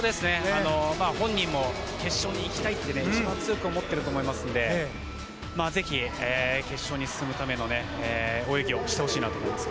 本人も決勝に行きたいと一番強く思っていると思いますのでぜひ、決勝に進むための泳ぎをしてほしいなと思います。